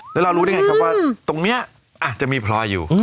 แล้วเรารู้ได้ไงครับว่าตรงนี้อาจจะมีพลอยอยู่